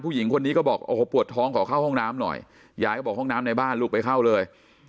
ผู้หญิงคนนี้ก็บอกโอ้โหปวดท้องขอเข้าห้องน้ำหน่อยยายก็บอกห้องน้ำในบ้านลูกไปเข้าเลย